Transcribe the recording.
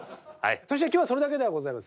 そして今日はそれだけではございません。